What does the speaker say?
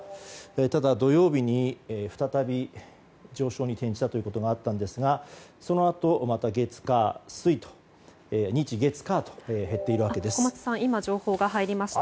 ただ、土曜日に再び上昇に転じたということがあったんですがそのあと、また日月火と今、情報が入りました。